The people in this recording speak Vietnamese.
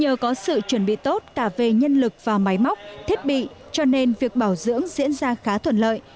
nhờ có sự chuẩn bị tốt cả về nhân lực và máy móc thiết bị cho nên việc bảo dưỡng diễn ra khá thuận lợi